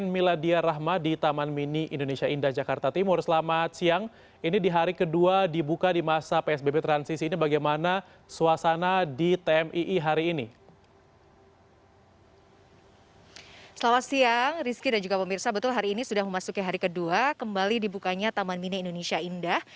masuknya hari kedua kembali dibukanya taman mini indonesia indah